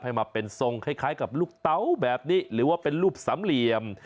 ให้มาเป็นทรงคล้ายกับลูกเตาแบบนี้หรือว่าเป็นรูปสามเหลี่ยม